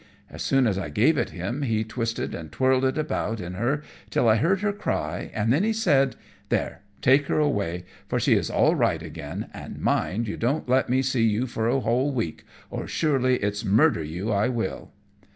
As soon as I gave it him he twisted and twirled it about in her, till I heard her cry, and then he said "There, take her away, for she is all right again, and mind you don't let me see you for a whole week, or surely it's murder you I will."